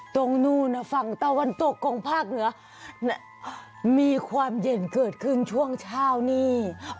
ตรงนู้นฝั่งตะวันตกของภาคเหนือมีความเย็นเกิดขึ้นช่วงเช้านี้